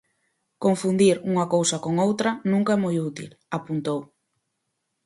"Confundir unha cousa con outra nunca é moi útil", apuntou.